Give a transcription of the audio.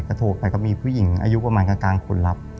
ก็มีผู้หญิงอายุประมาณกลางคนลับ